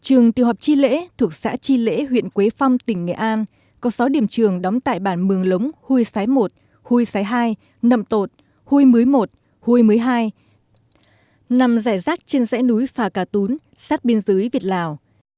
từng tiêu họp tri lễ thuộc xã tri lễ huyện quế phong tỉnh nghệ an có sáu điểm trường đóng tại bản mường lống huy sái một huy sái hai nậm tột huy mưới một huy mưới hai nằm rải rác trên rãi núi phà cà tún sát biên dưới việt lào